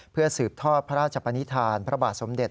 เพื่อสืบทอดพระราชปนิษฐานพระบาทสมเด็จ